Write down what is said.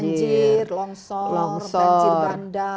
banjir longsor banjir bandar